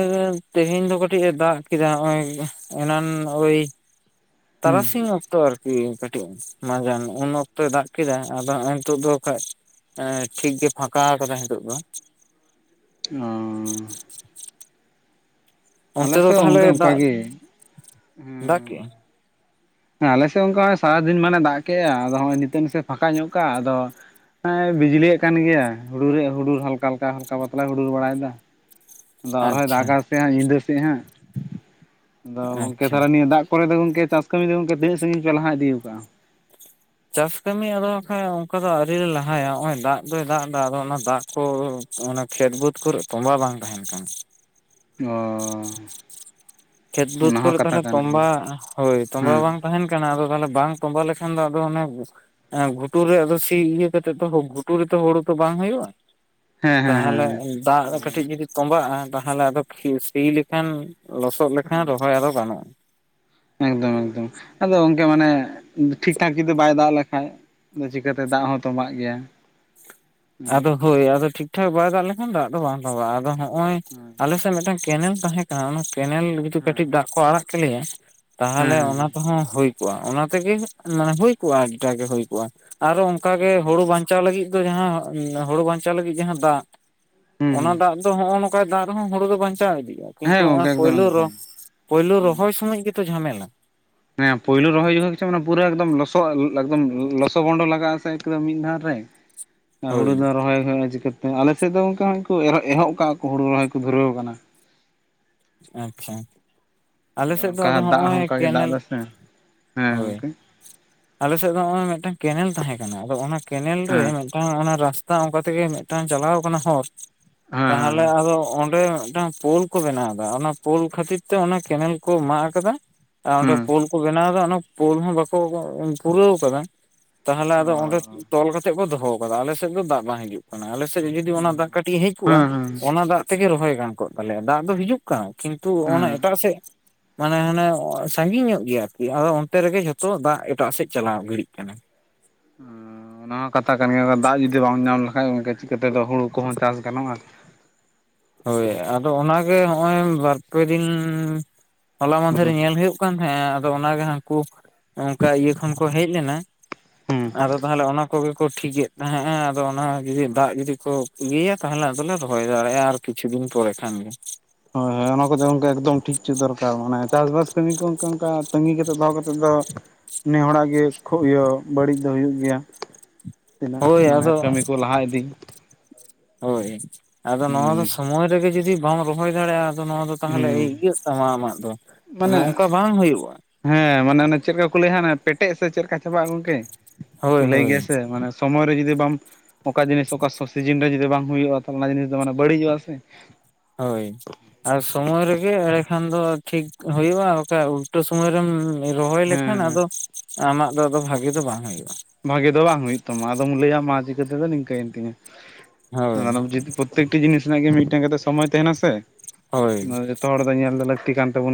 ᱛᱮᱦᱮᱧ ᱫᱚ ᱠᱟᱹᱴᱤᱡ ᱮ ᱫᱟᱜ ᱠᱮᱫᱟ ᱱᱚᱜ ᱚᱭ ᱮᱱᱟᱜ ᱳᱭ ᱦᱩᱸ ᱛᱟᱨᱟᱥᱤᱝ ᱚᱠᱛᱚᱨ ᱠᱟᱹᱴᱤᱡ ᱢᱟᱡᱟᱱ ᱩᱱ ᱚᱠᱛᱚᱭ ᱫᱟᱜ ᱠᱮᱫᱟ ᱟᱫᱚᱜᱚᱭ ᱱᱤᱛᱳ ᱫᱚ ᱠᱷᱟᱱ ᱴᱷᱤᱠ ᱜᱮ ᱯᱷᱟᱸᱠᱟ ᱟᱠᱟᱫᱟ ᱱᱤᱛᱚᱜ ᱫᱚ ᱚ ᱟᱞᱮ ᱚᱱᱛᱮ ᱫᱚ ᱥᱮᱫ ᱜᱚᱢᱠᱮ ᱛᱟᱦᱚᱞᱮ ᱚᱱᱠᱟ ᱫᱟᱜ ᱜᱮ ᱫᱟᱜ ᱠᱮᱜᱼᱟ ᱦᱮᱸ ᱟᱞᱮ ᱥᱮᱫ ᱚᱱᱠᱟ ᱥᱟᱨᱟᱫᱤᱱ ᱢᱟᱱᱮ ᱫᱟᱜ ᱠᱮᱜᱼᱟ ᱟᱫᱚ ᱦᱚᱸᱜᱚᱭ ᱱᱤᱛᱚᱜ ᱥᱮᱫ ᱮ ᱯᱷᱟᱸᱠᱟ ᱧᱚᱜ ᱠᱟᱜ ᱟᱫᱚ ᱦᱮᱸ ᱵᱤᱡᱽᱞᱤᱭᱥᱜ ᱠᱟᱱ ᱜᱮᱭᱭᱟ ᱦᱩᱰᱩᱨᱮ ᱦᱩᱰᱩᱨ ᱦᱟᱞᱠᱟ ᱦᱟᱞᱠᱟ ᱦᱟᱞᱠᱟ ᱵᱟᱛᱞᱟ ᱦᱩᱰᱩᱨ ᱵᱟᱲᱟᱭᱮᱫᱟ ᱟᱨᱦᱚᱸᱭ ᱟᱪᱪᱷᱟ ᱫᱟᱜ ᱥᱮᱫ ᱦᱟᱸᱜ ᱧᱤᱫᱟᱹ ᱥᱮᱡ ᱦᱟᱸᱜ ᱟᱫᱚ ᱜᱚᱝᱠᱮ ᱟᱪᱪᱷᱟᱡ ᱛᱟᱦᱚᱞᱮ ᱱᱤᱭᱟᱹ ᱫᱟᱜ ᱯᱮ ᱫᱚ ᱜᱚᱢᱠᱮ ᱪᱟᱥ ᱠᱟᱹᱢᱤ ᱫᱚ ᱜᱚᱢᱠᱮ ᱛᱤᱱᱟᱹᱜ ᱥᱟᱜᱤᱧ ᱞᱟᱦᱟ ᱤᱫᱤ ᱟᱠᱟᱜᱼᱟ ᱪᱟᱥ ᱠᱟᱹᱢᱤ ᱟᱫᱚ ᱦᱟᱜ ᱠᱷᱟᱡ ᱚᱱᱠᱟ ᱫᱚ ᱟᱣᱨᱤ ᱞᱮ ᱞᱟᱦᱟᱭᱟ ᱱᱚᱜ ᱚᱭ ᱫᱟᱜ ᱫᱚᱭ ᱫᱟᱜ ᱮᱫᱟ ᱟᱫᱚ ᱚᱱᱟ ᱫᱟᱜ ᱠᱚ ᱚᱱᱟ ᱠᱷᱮᱛ ᱵᱟᱹᱫᱽ ᱠᱚᱨᱮ ᱛᱚᱸᱵᱟ ᱵᱟᱝ ᱛᱟᱦᱮᱱ ᱠᱟᱱ ᱚ ᱠᱷᱮᱛ ᱵᱟᱹᱫᱽ ᱚᱱᱟ ᱦᱚᱸ ᱠᱚᱨᱮ ᱠᱟᱛᱷᱟ ᱛᱟᱦᱚᱞᱮ ᱠᱟᱱ ᱜᱮᱭᱟ ᱛᱚᱢᱵᱟ ᱦᱳᱭ ᱛᱚᱢᱵᱟ ᱦᱮᱸ ᱵᱟᱝ ᱛᱟᱸᱦᱮᱱ ᱠᱟᱱᱟ, ᱟᱫᱚ ᱛᱟᱸᱦᱚᱞᱮ ᱵᱟᱝ ᱛᱚᱸᱵᱟ ᱞᱮᱠᱷᱟᱱ ᱫᱚ ᱟᱫᱚ ᱚᱱᱮ ᱦᱮᱸ ᱜᱷᱩᱴᱩ ᱨᱮ ᱟᱫᱚ ᱥᱤ ᱤᱭᱟᱹ ᱠᱟᱛᱮᱜ ᱜᱷᱩᱴᱩ ᱨᱮᱛᱚ ᱦᱩᱲᱩ ᱛᱚ ᱵᱟᱝ ᱦᱩᱭᱩᱜᱼᱟ ᱦᱮᱸ ᱦᱮᱸ ᱦᱮᱸ ᱛᱟᱦᱚᱞᱮ ᱫᱟᱜ ᱦᱮᱸ ᱠᱟᱹᱴᱤᱡ ᱡᱩᱫᱤ ᱛᱚᱸᱵᱟᱜᱼᱟ ᱛᱟᱦᱚᱞᱮ ᱟᱫᱚ ᱥᱤ ᱞᱮᱠᱷᱟᱱ ᱞᱚᱥᱚᱫ ᱞᱮᱠᱷᱟᱱ ᱠᱷᱟᱱ ᱨᱚᱦᱚᱭ ᱟᱫᱚ ᱜᱟᱱᱚᱜᱼᱟ ᱮᱠᱫᱚᱢ ᱮᱠᱫᱚᱢ ᱟᱫᱚ ᱜᱚᱢᱠᱮ ᱢᱟᱱᱮ ᱴᱷᱤᱠ ᱴᱷᱟᱠ ᱡᱩᱫᱤ ᱵᱟᱭ ᱫᱟᱜ ᱞᱮᱠᱷᱟᱡ ᱟᱫᱚ ᱪᱤᱠᱟᱹᱛᱮ ᱫᱟᱜ ᱦᱚᱸ ᱛᱚᱵᱟᱜ ᱜᱮᱭᱟ ᱟᱫᱚ ᱦᱳᱭ ᱟᱫᱚ ᱴᱷᱤᱠ ᱴᱷᱟᱠ ᱵᱟᱭ ᱫᱟᱜ ᱞᱮᱠᱷᱟᱱ ᱫᱟᱜ ᱫᱚ ᱵᱟᱝ ᱛᱚᱵᱟᱜᱼᱟ ᱟᱫᱚ ᱱᱚᱜᱼᱚᱭ ᱦᱮᱸ ᱟᱞᱮᱥᱮᱫ ᱢᱤᱫᱴᱟᱝ ᱠᱮᱱᱮᱞ ᱛᱟᱦᱮᱸ ᱠᱟᱱᱟ ᱚᱱᱟ ᱠᱮᱱᱮᱞ ᱡᱩᱫᱤ ᱦᱮᱸ ᱠᱟᱹᱴᱤᱡ ᱫᱟᱜ ᱠᱚ ᱟᱲᱟᱜ ᱠᱮᱞᱮᱭᱟ ᱦᱮᱸ ᱛᱟᱦᱚᱞᱮ ᱦᱮᱸ ᱚᱱᱟ ᱦᱮᱸ ᱛᱮᱦᱚᱸ ᱦᱩᱭ ᱚᱱᱟ ᱛᱮᱜᱮ ᱢᱟᱱᱮ ᱦᱩᱭ ᱠᱚᱜᱼᱟ ᱟᱹᱰᱤᱴᱟᱜ ᱜᱮ ᱦᱩᱭ ᱠᱚᱜᱼᱟ ᱟᱨᱚ ᱚᱱᱠᱟᱜ ᱜᱮ ᱦᱩᱸ ᱦᱩᱲᱩ ᱵᱟᱧᱪᱟᱣ ᱪᱟᱣ ᱞᱟᱹᱜᱤᱫ ᱫᱚ ᱡᱟᱸᱦᱟᱸ ᱦᱳᱲᱳ ᱵᱟᱸᱧᱪᱟᱣ ᱞᱟᱹᱜᱤᱫ ᱡᱟᱸᱦᱟᱸ ᱫᱟᱜ, ᱦᱩᱸ ᱚᱱᱟ ᱫᱟᱜ ᱫᱚ ᱦᱚᱜᱼᱱᱚᱝ ᱚᱱᱠᱟᱭ ᱫᱟᱜ ᱨᱮᱦᱚᱸ ᱦᱩᱲᱩ ᱫᱚ ᱵᱟᱧᱪᱟᱣ ᱤᱫᱤᱜᱼᱟ ᱾ ᱠᱤᱱᱛᱩ ᱦᱮᱸ ᱦᱚᱜᱼᱚᱭ ᱜᱚᱝᱠᱮ ᱮᱠᱫᱚᱢ ᱯᱳᱭᱞᱳ ᱨᱚ ᱮᱠᱫᱚᱢ ᱯᱳᱭᱞᱳ ᱦᱩᱸ ᱨᱚᱦᱚᱭ ᱥᱚᱢᱚᱭ ᱜᱮ ᱛᱚ ᱡᱷᱟᱢᱮᱞᱟ ᱾ ᱦᱮᱸ ᱯᱳᱭᱞᱳ ᱨᱚᱦᱚᱭ ᱡᱚᱠᱷ ᱠᱤᱪᱷ ᱢᱟᱱᱮ ᱯᱩᱭᱞᱩ ᱨᱚᱦᱚᱭ ᱡᱚᱢᱚᱜ ᱜᱮᱪᱚ, ᱚᱱᱟ ᱯᱩᱨᱟᱹ ᱮᱠᱫᱚᱢ ᱞᱚᱥᱚᱜ ᱮᱠᱫᱚᱢ ᱞᱚᱥᱚ ᱵᱷᱚᱱᱰᱚ ᱞᱟᱜᱼᱟ, ᱥᱮ ᱮᱠᱫᱚᱢ ᱢᱤᱫ ᱫᱷᱟᱣ ᱨᱮ ᱾ [inaudible] ᱦᱩᱲᱩ ᱦᱳᱭ ᱫᱚ ᱨᱚᱦᱚᱭ ᱦᱩᱭᱩᱜᱼᱟ ᱪᱤᱠᱟᱹᱛᱮ, ᱟᱞᱮ ᱥᱮᱫ ᱫᱚ ᱜᱚᱝᱠᱮ ᱩᱱᱠᱩ ᱮᱦᱚᱵ ᱠᱟᱜᱼᱟ ᱠᱚ, ᱦᱩᱲᱩ ᱨᱚᱦᱚᱭ ᱠᱚ ᱫᱷᱩᱨᱟᱹᱣ ᱠᱟᱱᱟ ᱾ ᱟᱪᱪᱷᱟ ᱟᱞᱮ ᱥᱮᱫ ᱫᱚ ᱚᱱᱠᱟ ᱟᱫᱚ ᱫᱟᱜ ᱦᱚᱸ ᱦᱚᱸᱜᱼᱚᱭ ᱚᱱᱠᱟ ᱜᱮ ᱫᱟᱜ ᱠᱮᱱᱮᱞ ᱮᱫᱟ ᱥᱮ ᱦᱮᱸ ᱦᱳᱭ ᱜᱚᱝᱠᱮ ᱟᱞᱮᱥᱮᱫ ᱫᱚ ᱦᱚᱜᱼᱚᱭ ᱢᱤᱫᱴᱟᱝ ᱠᱮᱱᱮᱞ ᱛᱟᱸᱦᱮᱸ ᱠᱟᱱᱟ, ᱟᱫᱚ ᱚᱱᱟ ᱠᱮᱱᱮᱞ ᱨᱮ ᱦᱮᱸ ᱦᱮᱸ ᱚ, ᱚᱱᱟ ᱨᱟᱥᱛᱟ ᱚᱱᱠᱟ ᱛᱮᱜᱮ ᱢᱤᱫᱴᱟᱝ ᱪᱟᱞᱟᱣ ᱟᱠᱟᱱᱟ ᱦᱚᱨ ᱦᱮᱸ ᱛᱟᱦᱚᱞᱮ ᱦᱮᱸ ᱟᱫᱚ ᱚᱸᱰᱮ ᱢᱤᱫᱴᱟᱝ ᱯᱳᱞ ᱠᱚ ᱵᱮᱱᱟᱣ ᱚᱱᱟ ᱯᱳᱞ ᱠᱷᱟᱹᱛᱤᱨ ᱛᱮ ᱚᱱᱟ ᱠᱮᱱᱮᱞ ᱠᱚ ᱢᱟᱜ ᱟᱠᱟᱫᱟ ᱾ ᱟᱨ ᱚᱸᱰᱮ ᱯᱳᱞ ᱠᱚ ᱵᱮᱱᱟᱣ ᱮᱫᱟ ᱚᱱᱟ ᱯᱳᱞ ᱦᱚᱸ ᱵᱟᱠᱚ ᱯᱩᱨᱟᱹᱣ ᱠᱟᱫᱟ ᱛᱟᱦᱞᱮ ᱟᱫᱚ ᱚ ᱚᱸᱰᱮ ᱛᱚᱞ ᱠᱟᱛᱮ ᱠᱚ ᱫᱚᱦᱚ ᱠᱟᱫᱟ ᱟᱞᱮᱥᱮᱫ ᱫᱚ ᱫᱟᱜ ᱵᱟᱝ ᱦᱤᱡᱩᱜ ᱟᱞᱮᱥᱮᱫ ᱡᱩᱫᱤ ᱚᱱᱟ ᱫᱟᱜ ᱠᱟᱹᱴᱤᱡ ᱦᱮᱡ ᱦᱮᱸ ᱠᱚᱜᱼᱟ, ᱦᱮᱸ ᱚᱱᱟ ᱫᱟᱜ ᱛᱮᱜᱮ ᱨᱚᱦᱚᱭ ᱜᱟᱱ ᱠᱚᱜ ᱛᱟᱞᱮᱭᱟ, ᱫᱟᱜ ᱫᱚ ᱦᱤᱡᱩᱜ ᱠᱟᱱᱟ᱾ ᱠᱤᱱᱛᱩ ᱚᱱᱟ ᱦᱮᱸ ᱮᱴᱟᱜ ᱥᱮᱜ ᱢᱟᱱᱮ ᱦᱟᱱᱮ ᱥᱟᱺᱜᱤᱧ ᱧᱚᱜ ᱜᱮᱭᱟ ᱟᱨᱠᱤ, ᱟᱫᱚ ᱚᱱᱛᱮ ᱨᱮᱜᱮ ᱡᱷᱚᱛᱚ ᱫᱟᱜ ᱮᱴᱟᱜ ᱥᱮᱫ ᱪᱟᱞᱟᱣ ᱜᱤᱲᱤᱜ ᱠᱟᱱᱟ ᱾ ᱚᱱᱟ ᱦᱚᱸ ᱠᱟᱛᱷᱟ ᱠᱟᱱ ᱜᱮᱭᱟ, ᱫᱟᱜ ᱡᱩᱫᱤ ᱵᱟᱢ ᱧᱟᱢ ᱞᱮᱠᱷᱟᱡ ᱜᱚᱝᱠᱮ ᱪᱤᱠᱟᱹ ᱛᱮᱫᱚ ᱦᱩᱲᱩ ᱠᱚᱦᱚ ᱪᱟᱥ ᱜᱟᱱᱚᱜᱼᱟ ᱾ ᱦᱳᱭ ᱟᱫᱚ ᱚᱱᱟ ᱜᱮ ᱦᱚᱜᱼᱚᱭ ᱵᱟᱨᱯᱮ ᱫᱤᱱ, ᱦᱚᱞᱟ ᱢᱟᱫᱷᱮᱨ ᱦᱩᱸ ᱧᱮᱞ ᱦᱳᱭᱳᱜ ᱵᱟᱝ ᱦᱮᱸ ᱟᱫᱚ ᱚᱱᱟᱜᱮ ᱦᱟᱹᱱᱠᱩ, ᱚᱱᱠᱟ ᱤᱭᱟᱹ ᱠᱷᱚᱱ ᱠᱚ ᱦᱮᱡ ᱞᱮᱱᱟ ᱾ ᱦᱩᱸ ᱟᱫᱚ ᱛᱟᱦᱚᱞᱮ ᱚᱱᱟ ᱠᱚᱜᱮ ᱠᱚ ᱴᱷᱤᱠᱮᱜ ᱾ ᱦᱮᱸᱜᱼᱮ ᱟᱫᱚ ᱚᱱᱟ ᱡᱩᱫᱤ ᱫᱟᱜ ᱡᱩᱫᱤ ᱠᱚ ᱤᱭᱟᱹᱭᱟ, ᱛᱟᱦᱚᱞᱮ ᱟᱫᱚᱞᱮ ᱨᱚᱦᱚᱭ ᱫᱟᱲᱮᱭᱟᱜᱼᱟ, ᱟᱨ ᱠᱤᱪᱷᱩ ᱫᱤᱱ ᱯᱚᱨᱮ ᱠᱷᱟᱱᱜᱮ ᱦᱳᱭ ᱦᱳᱭ ᱚᱱᱟ ᱠᱚᱫᱚ ᱜᱚᱝᱠᱮ ᱮᱠᱫᱚᱢ ᱴᱷᱤᱠ ᱪᱚ ᱫᱚᱨᱠᱟᱨ ᱢᱟᱱᱮ ᱪᱟᱥᱵᱟᱥ ᱠᱟᱹᱢᱤ ᱠᱚ ᱚᱱᱠᱟ ᱚᱱᱠᱟ ᱛᱟᱺᱜᱤ ᱠᱟᱛᱮᱫ ᱫᱚᱦᱚ ᱠᱟᱛᱮᱫ ᱫᱚ ᱱᱮ ᱦᱚᱲᱟᱜ ᱜᱮ ᱠᱷᱩᱵ ᱤᱭᱟᱹ ᱵᱟᱹᱲᱤᱡ ᱫᱚ ᱦᱩᱭᱩᱜ ᱜᱮᱭᱟ ᱾ ᱛᱤᱱᱟᱹᱜ ᱦᱳᱭ ᱢᱟᱱᱮ ᱟᱫᱚ ᱠᱟᱹᱢᱤ ᱠᱚ ᱞᱟᱦᱟ ᱤᱫᱤ ᱦᱳᱭ ᱟᱫᱚ ᱱᱚᱣᱟ ᱫᱚ ᱦᱩᱸ ᱥᱚᱢᱚᱭ ᱨᱮᱜᱮ ᱡᱩᱫᱤ ᱵᱟᱢ ᱨᱚᱦᱚᱭ ᱫᱟᱲᱮᱜᱼᱟ ᱾ ᱟᱫᱚ ᱱᱚᱣᱟ ᱫᱚ ᱛᱟᱦᱚᱞᱮ ᱦᱩᱸ ᱤᱭᱟᱹᱜ ᱛᱟᱢᱟ ᱟᱢᱟᱜ ᱫᱚ, ᱢᱟᱱᱮ ᱚᱱᱠᱟ ᱵᱟᱝ ᱦᱩᱭᱩᱜᱼᱟ ᱾ ᱦᱮᱸ ᱢᱟᱱᱮ ᱚᱱᱮ ᱪᱮᱫᱠᱟ ᱠᱚ ᱞᱟᱹᱭᱟ, ᱦᱟᱸᱜ ᱯᱮᱴᱮᱜ ᱥᱮ ᱪᱮᱫ ᱞᱮᱠᱟ ᱪᱟᱵᱟᱜᱼᱟ, ᱜᱚᱝᱠᱮ ᱦᱳᱭ ᱞᱟᱹᱭ ᱦᱳᱭ ᱜᱮᱭᱟ ᱥᱮ ᱢᱟᱱᱮ ᱥᱚᱢᱚᱭ ᱨᱮ ᱡᱩᱫᱤ ᱵᱟᱢ ᱚᱠᱟ ᱡᱤᱱᱤᱥ ᱚᱠᱟ ᱥᱚ ᱥᱤᱡᱤᱱ ᱨᱮ ᱡᱩᱫᱤ ᱵᱟᱝ ᱦᱩᱭᱩᱜᱼᱟ ᱾ ᱛᱟᱦᱚᱞᱮ ᱚᱱᱟ ᱡᱤᱱᱤᱥ ᱫᱚ ᱢᱟᱱᱮ ᱵᱟᱹᱲᱤᱡᱜᱼᱟ ᱥᱮ ᱾ ᱦᱳᱭ ᱟᱨ ᱥᱳᱢᱚᱭ ᱨᱮᱜᱮ ᱮᱲᱮ ᱠᱷᱟᱱ ᱫᱚ ᱴᱷᱤᱠ ᱦᱩᱭᱩᱜᱼᱟ, ᱵᱟᱠᱷᱟᱱ ᱩᱞᱴᱟᱹ ᱥᱳᱚᱢᱚᱭ ᱨᱮᱢ ᱨᱚᱦᱚᱭ ᱦᱮᱸ ᱞᱮᱠᱷᱟᱱ ᱟᱫᱚ, ᱟᱢᱟᱜ ᱫᱚ ᱟᱫᱚ ᱵᱷᱟᱜᱮ ᱫᱚ ᱵᱟᱝ ᱦᱳᱭᱜᱼᱟ ᱾ ᱵᱷᱟᱜᱮ ᱫᱚ ᱵᱟᱝ ᱦᱩᱭᱩᱜ ᱛᱟᱢᱟ ᱵᱷᱟᱜᱮ ᱫᱚ ᱵᱟᱝ ᱦᱩᱭᱩᱜ ᱛᱟᱢᱟ, ᱟᱫᱚᱢ ᱞᱟᱹᱭᱟ ᱢᱟ ᱪᱤᱠᱟᱹ ᱛᱮᱫᱚ ᱱᱤᱝᱠᱟᱹᱭᱮᱱ ᱛᱤᱧᱟ ᱦᱳᱭ ᱾ ᱯᱨᱚᱛᱮᱠᱴᱤ ᱡᱤᱱᱤᱥ ᱨᱮᱱᱟᱜ ᱜᱮ, ᱢᱤᱫᱴᱮᱝ ᱠᱟᱛᱮᱜ ᱥᱚᱢᱚᱭ ᱛᱟᱸᱦᱮᱱᱟ ᱥᱮ, ᱦᱳᱭ ᱡᱚᱛᱚ ᱦᱚᱲ ᱫᱚ ᱧᱮᱞ ᱫᱚ ᱞᱟᱹᱠᱛᱤ ᱠᱟᱱ ᱛᱟᱵᱚᱱ ᱜᱮ ᱾